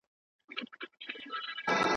د آبادۍ د کرارۍ او د ښارونو کیسې